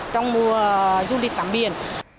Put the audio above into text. trong mùa du lịch tắm biển